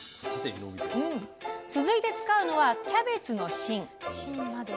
続いて使うのは、キャベツの芯。